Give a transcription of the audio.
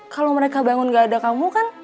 kalau mereka bangun gak ada kamu kan